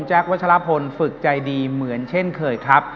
วัชลพลฝึกใจดีเหมือนเช่นเคยครับ